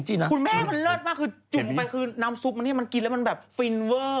คุณแม่มันเลิศมากคือจุ่มลงไปคือน้ำซุปอันนี้มันกินแล้วมันแบบฟินเวอร์